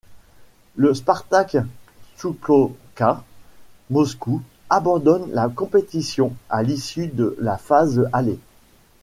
Le Spartak-Tchoukotka Moscou abandonne la compétition à l'issue de la phase aller.